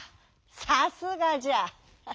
さすがじゃ！